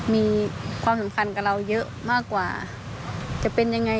มีความสำคัญกับเราเยอะมากกว่าจะเป็นยังไง